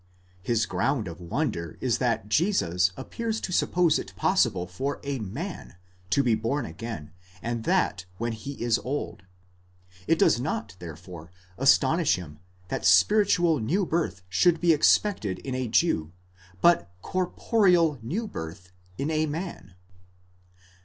His ground of wonder is that Jesus appears to suppose it possible for a man to be born again, and that when he is old. It does not, therefore, astonish him that spiritual new birth should be expected in a Jew, but corporeal new birth in aman.